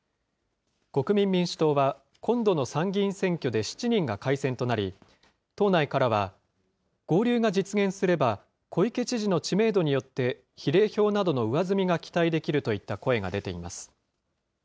国民民主党は、今度の参議院選挙で７人が改選となり、党内からは、合流が実現すれば、小池知事の知名度によって、比例票などの上積みが期待できるといった声が出ています。